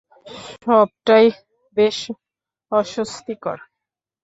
সবটাই বেশ অস্বস্তিকর।